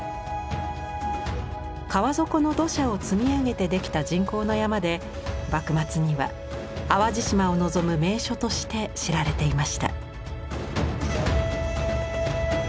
川底の土砂を積み上げて出来た人工の山で幕末には淡路島を望む名所として知られていました。